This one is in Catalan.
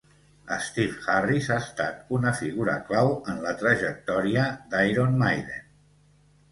Steve Harris ha estat una figura clau en la trajectòria d'Iron Maiden